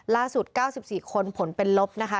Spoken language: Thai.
ล่าสุด๙๔คนผลเป็นลบนะคะ